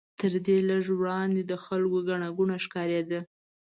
تر دې لږ وړاندې د خلکو ګڼه ګوڼه ښکارېده.